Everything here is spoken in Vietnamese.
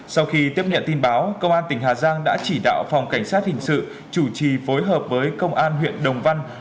sau khi tiếp nhận tin báo công an tỉnh hà giang đã chỉ đạo phòng cảnh sát hình sự chủ trì phối hợp với công an huyện đồng văn